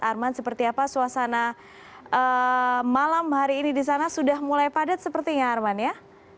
arman seperti apa suasana malam hari ini di sana sudah mulai padat sepertinya arman ya